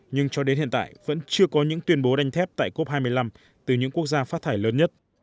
nhưng cho đến hiện tại vẫn chưa có những tuyên bố đánh thép tại cop hai mươi năm từ những quốc gia phát thải lớn nhất